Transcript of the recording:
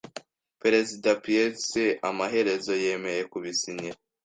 Perezida Pierce amaherezo yemeye kubisinyira.